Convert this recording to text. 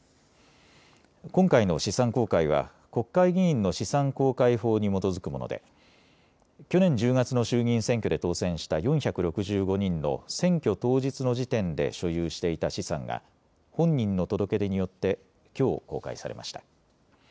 今回の資産公開は国会議員の資産公開法に基づくもので去年１０月の衆議院選挙で当選した４６５人の選挙当日の時点で所有していた資産が本人の届け出によってきょう公開されました。